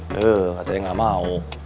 duh katanya gak mau